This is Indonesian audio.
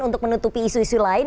untuk menutupi isu isu lain